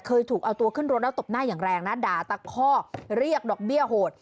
เคยถูกเอาตัวขึ้นรถแล้วตบหน้าอย่างแรงนะด่าตะข้อเรียกดอกเบี้ยโหด